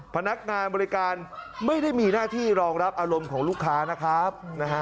พนักงานบริการไม่ได้มีหน้าที่รองรับอารมณ์ของลูกค้านะครับนะฮะ